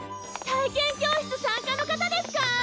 体験教室参加の方ですか？